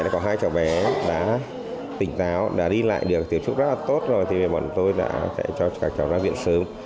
các bé đã tỉnh táo đã đi lại được tiếp xúc rất là tốt rồi thì bọn tôi đã cho các cháu ra viện sớm